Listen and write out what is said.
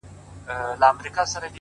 • د سړیو غلبلې سي انګولا سي د لېوانو ,